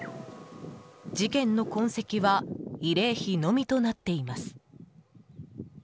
事件の痕跡は慰霊碑のみとなっています。